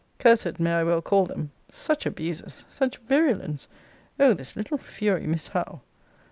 Cursed, may I well call them Such abuses! Such virulence! O this little fury Miss Howe!